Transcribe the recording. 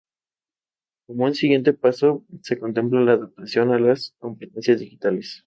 Cualquier miembro de la tripulación puede ser retado a jugar, incluso el propio capitán.